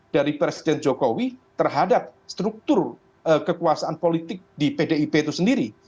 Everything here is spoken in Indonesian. dari presiden jokowi terhadap struktur kekuasaan politik di pdip itu sendiri